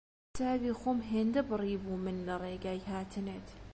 چاوی خۆم هێندە بڕیبوو من لە ڕێگای هاتنت